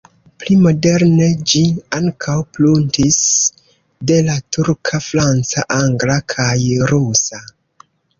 Pli moderne ĝi ankaŭ pruntis de la turka, franca, angla kaj rusa.